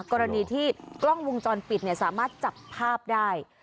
กรณีที่กล้องวงจรปิดสามารถจับภาพได้